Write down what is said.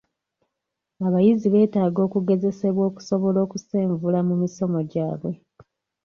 Abayizi beetaaga okugezesebwa okusobola okusenvula mu misomo gyabwe.